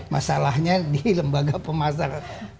masalahnya di lembaga pemasaran